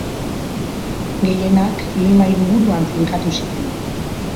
Gehienak Lima hiriburuan finkatu ziren.